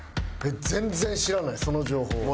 えっ全然知らないその情報。